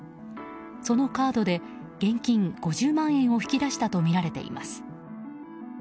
そのカードで現金５０万円を引き出したとみられています。